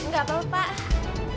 gak apa apa pak